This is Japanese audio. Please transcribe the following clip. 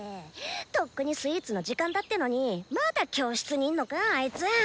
とっくにスイーツの時間だってのにまだ教室にいんのかあいつ。